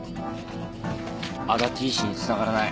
足達医師につながらない。